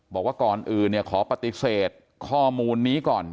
บอกว่าก่อนอื่นขอปฏิเสธข้อมูลนี้ก่อน